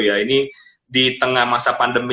ya ini di tengah masa pandemi